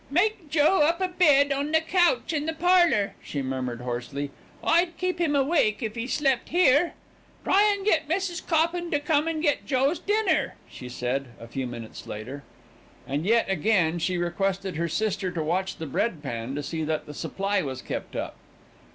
"Make Joe up a bed on the couch in the parlour," she murmured hoarsely. "I'd keep him awake if he slept here." "Try an' get Mrs. Coppen to come in to get Joe's dinner," she said, a few minutes later. And yet again she requested her sister to watch the bread pan to see that the supply was kept up.